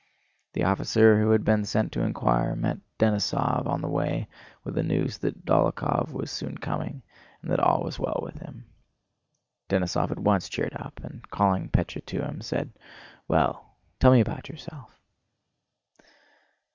The officer who had been sent to inquire met Denísov on the way with the news that Dólokhov was soon coming and that all was well with him. Denísov at once cheered up and, calling Pétya to him, said: "Well, tell me about yourself."